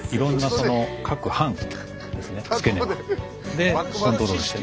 でコントロールしてる。